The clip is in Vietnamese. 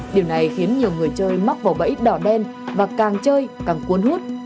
điều này khiến nhiều người chơi mắc vào bẫy đỏ đen và càng chơi càng cuốn hút